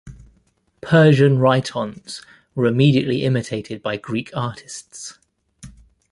Persian rhytons were immediately imitated by Greek artists.